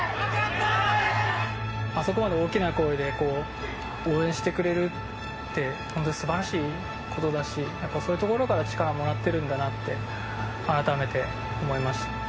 あそこまで大きな声で応援してくれるって、本当すばらしいことだし、やっぱそういうところから力をもらってるんだなって、改めて思い